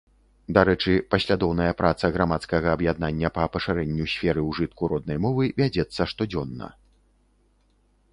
Дарэчы, паслядоўная праца грамадскага аб'яднання па пашырэнню сферы ўжытку роднай мовы вядзецца штодзённа.